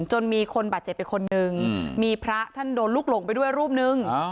จนมีคนบาดเจ็บไปคนนึงมีพระท่านโดนลูกหลงไปด้วยรูปนึง